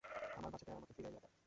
আমার বাছাকে আমাকে ফিরাইয়া দে।